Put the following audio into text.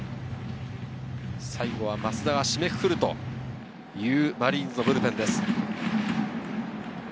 最後は益田が締めくくるというマリーンズのブルペンです。